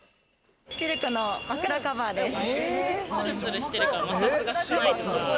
シルクの枕カバーです。